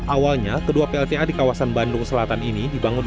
awalnya kedua plta di kawasan bandung selatan ini dibangun